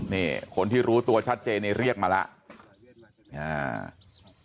นี่คนที่รู้ตัวชัดเจนเนี่ยเรียกมาแล้ว